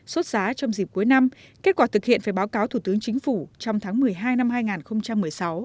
xuất giá trong dịp cuối năm kết quả thực hiện phải báo cáo thủ tướng chính phủ trong tháng một mươi hai năm hai nghìn một mươi sáu